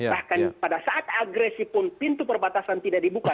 bahkan pada saat agresi pun pintu perbatasan tidak dibuka